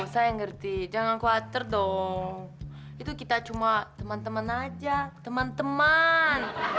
saya ngerti jangan khawatir dong itu kita cuma teman teman aja teman teman